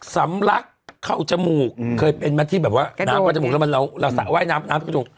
สำลักษณ์เข้าจมูกเคยเป็นมาที่แบบว่าน้ำเข้าจมูกแล้วเราสระว่ายน้ำ